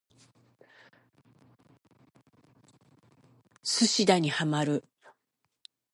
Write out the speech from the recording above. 寿司打にハマる